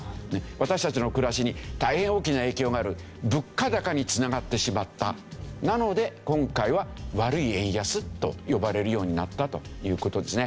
私たちの暮らしに大変大きな影響があるなので今回は悪い円安と呼ばれるようになったという事ですね。